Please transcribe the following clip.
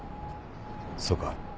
そうか。